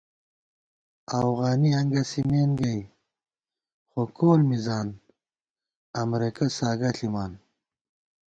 اَوغانی انگَسِمېن گئ خو کول مِزان امرېکہ ساگہ ݪِمان